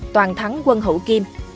toàn thắng quân hữu kim